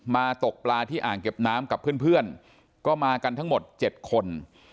มาตกปลาที่อ่างเก็บน้ำกับเพื่อนเพื่อนก็มากันทั้งหมดเจ็ดคน